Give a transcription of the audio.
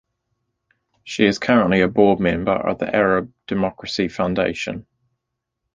She is currently a board member of the Arab Democracy Foundation.